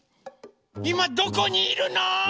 いまどこにいるの？